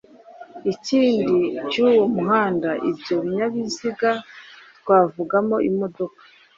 ikindi cy’uwo muhanda. Ibyo binyabiziga twavugamo imodoka